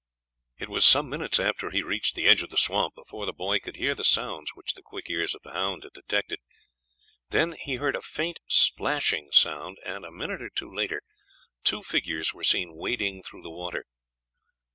It was some minutes after he reached the edge of the swamp before the boy could hear the sounds which the quick ears of the hound had detected. Then he heard a faint splashing noise, and a minute or two later two figures were seen wading through the water.